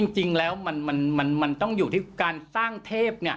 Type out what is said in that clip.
จริงแล้วมันต้องอยู่ที่การสร้างเทพ